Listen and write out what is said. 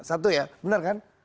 satu ya benar kan